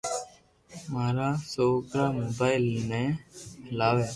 مارا سوڪرا ني موبائل ھي